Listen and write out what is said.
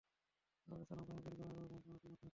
আমাকে সালাত কায়েমকারী কর এবং আমার বংশধরদের মধ্য হতেও।